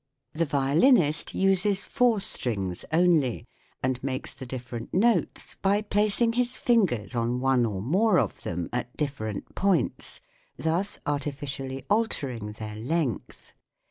The violinist uses four strings only, and makes the different notes by plac ing his fingers on one or more of them at dif erent points, thus artificially altering their length.